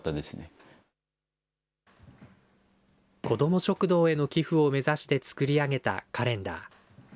子ども食堂への寄付を目指して作り上げたカレンダー。